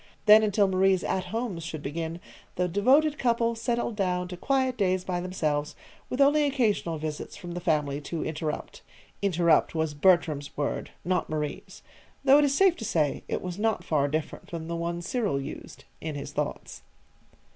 Then, until Marie's "At Homes" should begin, the devoted couple settled down to quiet days by themselves, with only occasional visits from the family to interrupt "interrupt" was Bertram's word, not Marie's. Though it is safe to say it was not far different from the one Cyril used in his thoughts.